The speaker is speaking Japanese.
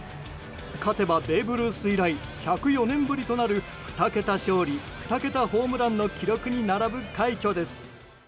勝てばベーブ・ルース以来１０４年ぶりとなる２桁勝利２桁ホームランの記録に並ぶ快挙です。